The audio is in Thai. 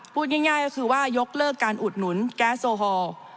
พูดง่ายก็คือว่ายกเลิกการอุดหนุนแก๊สโซฮอล์